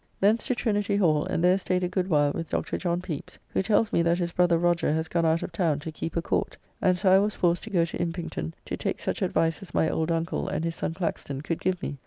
Thence to Trinity Hall, and there staid a good while with Dr. John Pepys, who tells me that [his] brother Roger has gone out of town to keep a Court; and so I was forced to go to Impington, to take such advice as my old uncle and his son Claxton could give me.